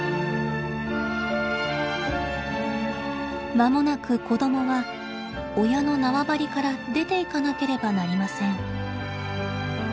まもなく子供は親の縄張りから出ていかなければなりません。